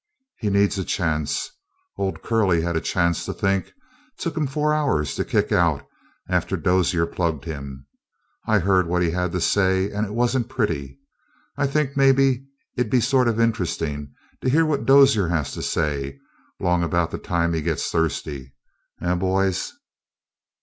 He needs a chance. Old Curley had a chance to think took him four hours to kick out after Dozier plugged him. I heard what he had to say, and it wasn't pretty. I think maybe it'd be sort of interestin' to hear what Dozier has to say. Long about the time he gets thirsty. Eh, boys?"